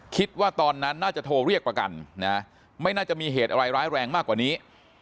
คิดว่าตอนนั้นน่าจะโทรเรียกประกันนะไม่น่าจะมีเหตุอะไรร้ายแรงมากกว่านี้